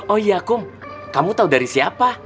oh iya kum kamu tahu dari siapa